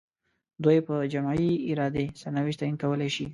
دوی په جمعي ارادې سرنوشت تعیین کولای شي.